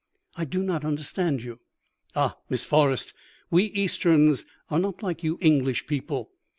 "'I do not understand you.' "'Ah! Miss Forrest, we Easterns are not like you English people.